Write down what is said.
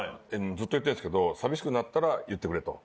ずっと言ってるんですけど寂しくなったら言ってくれと。